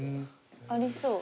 ありそう。